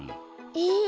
え！